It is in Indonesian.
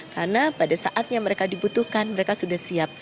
karena pada saatnya mereka dibutuhkan mereka sudah siap